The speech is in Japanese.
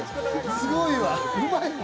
すごいわ。